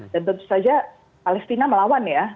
dan tentu saja palestina melawan ya